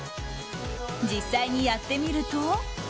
実際にやってみると。